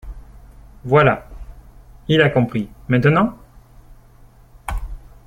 Voilà. Il a compris, maintenant?